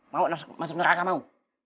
mau masuk neraka mau